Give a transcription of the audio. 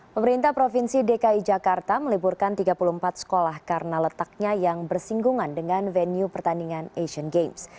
pemerintah provinsi dki jakarta meliburkan tiga puluh empat sekolah karena letaknya yang bersinggungan dengan venue pertandingan asian games